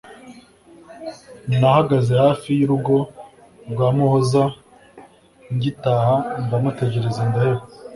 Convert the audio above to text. Nahagaze hafi y'urugo rwa muhoza ngitaha ndamutegereza ndaheba.